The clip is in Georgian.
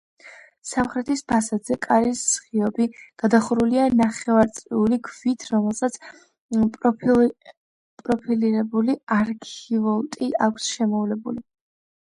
სამხრეთის ფასადზე კარის ღიობი გადახურულია ნახევარწრიული ქვით, რომელსაც პროფილირებული არქივოლტი აქვს შემოვლებული.